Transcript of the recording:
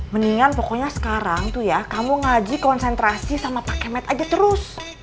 mendingan pokoknya sekarang tuh ya kamu ngaji konsentrasi sama pak kemet aja terus